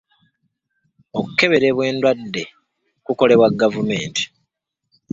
Okukeberebwa endwadde kukolebwa gavumenti.